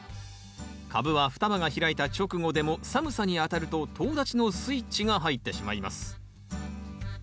カブは双葉が開いた直後でも寒さにあたるととう立ちのスイッチが入ってしまいます。